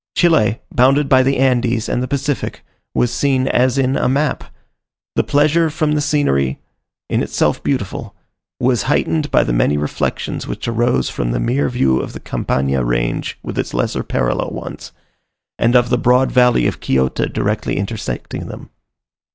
Chile, bounded by the Andes and the Pacific, was seen as in a map. The pleasure from the scenery, in itself beautiful, was heightened by the many reflections which arose from the mere view of the Campana range with its lesser parallel ones, and of the broad valley of Quillota directly intersecting them.